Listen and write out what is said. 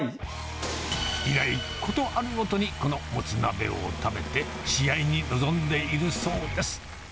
以来、ことあるごとにこのモツ鍋を食べて試合に臨んでいるそうです。